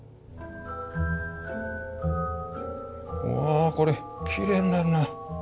あこれきれいになるな。